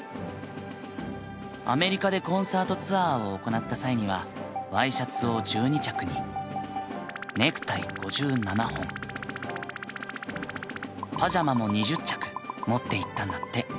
アメリカでコンサートツアーを行った際にはワイシャツを１２着にネクタイ５７本パジャマも２０着持って行ったんだって。